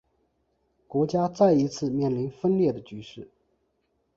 国家再一次面临分裂的局势。